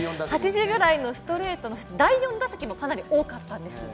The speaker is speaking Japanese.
８時ぐらいのストレート、第４打席もかなり多かったんですよ